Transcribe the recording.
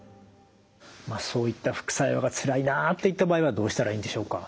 まあそういった副作用がつらいなといった場合はどうしたらいいんでしょうか？